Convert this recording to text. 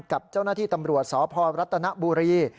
กับเจ้าหน้าที่ตำรวจสพรัฐนบุรี